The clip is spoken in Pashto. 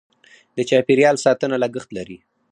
د چاپیریال ساتنه لګښت لري.